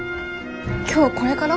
今日これから？